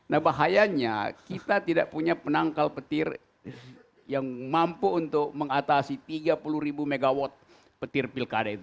nah bahayanya kita tidak punya penangkal petir yang mampu untuk mengatasi tiga puluh ribu megawatt petir pilkada itu